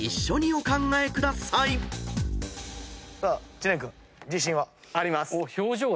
知念君自信は？あります。